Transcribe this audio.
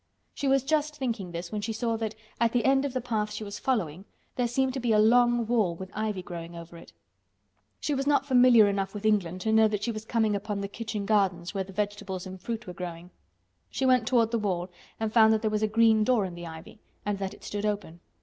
She was just thinking this when she saw that, at the end of the path she was following, there seemed to be a long wall, with ivy growing over it. She was not familiar enough with England to know that she was coming upon the kitchen gardens where the vegetables and fruit were growing. She went toward the wall and found that there was a green door in the ivy, and that it stood open.